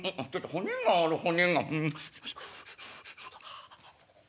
「骨がある骨。